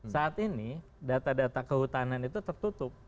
saat ini data data kehutanan itu tertutup